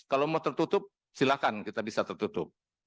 kalau mau tertutup silahkan kita bisa tertutup